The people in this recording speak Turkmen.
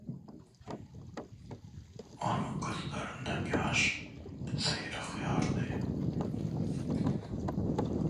Onuň gözlerinden ýaş syrygýardy.